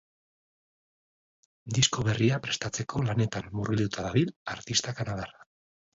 Disko berria prestatzeko lanetan murgilduta dabil artista kanadarra.